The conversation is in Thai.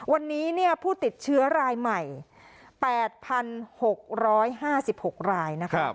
วันนี้ผู้ติดเชื้อรายใหม่๘๖๕๖รายนะคะ